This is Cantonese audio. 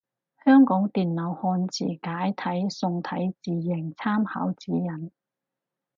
香港電腦漢字楷體宋體字形參考指引